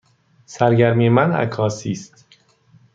سرگرمی من عکاسی است.